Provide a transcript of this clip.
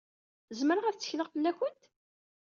Zemreɣ ad tekkleɣ fell-awent?